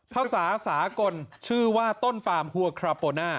ภาษาสากลชื่อว่าต้นปามหัวคราโปน่า